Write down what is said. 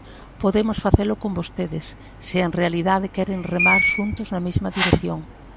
Podemos facelo con vostedes se en realidade queren remar xuntos na mesma dirección.